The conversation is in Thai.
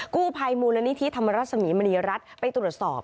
กู้ภัยมูลนิธิธรรมรสมีมณีรัฐไปตรวจสอบ